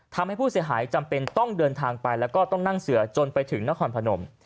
ทำให้ผู้เสียหายจำเป็นต้องเดินทางไปแล้วก็ต้องนั่งเสือจนไปถึงนครพนม